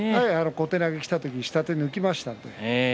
小手投げがきた時下手を抜きました。